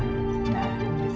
mẹ cũng xíu